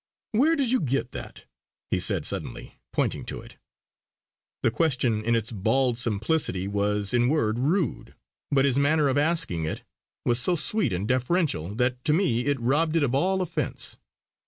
"Where did you get that?" he said suddenly, pointing to it. The question in its bald simplicity was in word rude, but his manner of asking it was so sweet and deferential that to me it robbed it of all offence.